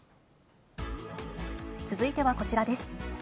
続いては、こちらです。